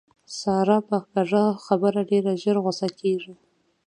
ساره په کږه خبره ډېره زر غوسه کېږي.